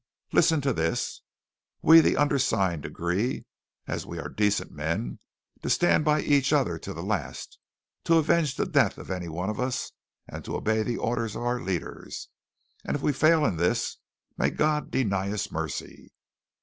"Listen to this: 'We the undersigned agree, as we are decent men, to stand by each other to the last, to avenge the death of any one of us, and to obey the orders of our leaders. And if we fail in this may God deny us mercy.'